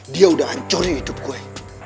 dia udah hancurin hidup gue